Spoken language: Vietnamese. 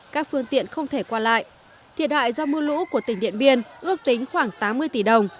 các phương tiện không thể qua lại thiệt hại do mưa lũ của tỉnh điện biên ước tính khoảng tám mươi tỷ đồng